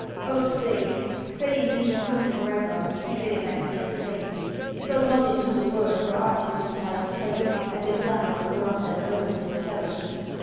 'Oh, stay, stay in these woods for ever!' he vehemently exclaimed. 'Go not into the world, where artifice might assail and example corrupt that noble sincerity.